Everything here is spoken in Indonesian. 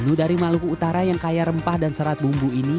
menu dari maluku utara yang kaya rempah dan serat bumbu ini